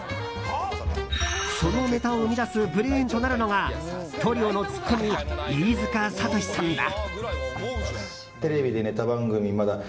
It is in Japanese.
そのネタを生み出すブレーンとなるのがトリオのツッコミ飯塚悟志さんだ。